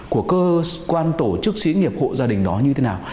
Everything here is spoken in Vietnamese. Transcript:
của cơ quan tổ chức sĩ nghiệp hộ gia đình đó như thế nào